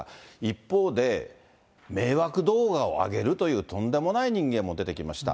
一方で、迷惑動画を上げるというとんでもない人間も出てきました。